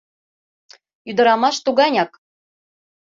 Ӱдырамаш туганяк.